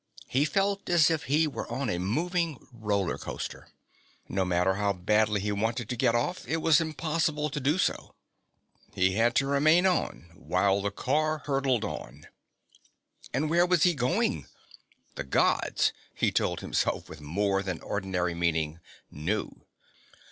He felt as if he were on a moving roller coaster. No matter how badly he wanted to get off, it was impossible to do so. He had to remain while the car hurtled on. And where was he going? The Gods, he told himself with more than ordinary meaning, knew.